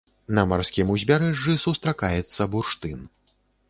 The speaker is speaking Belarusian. На марскім узбярэжжы сустракаецца бурштын.